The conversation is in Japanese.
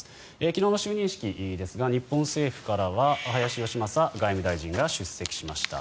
昨日の就任式ですが日本政府からは林芳正外務大臣が出席しました。